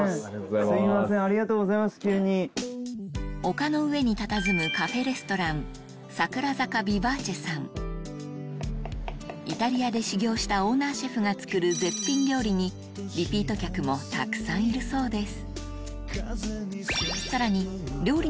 丘の上にたたずむカフェレストランイタリアで修業したオーナーシェフが作る絶品料理にリピート客もたくさんいるそうです